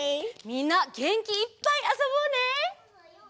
みんなげんきいっぱいあそぼうね！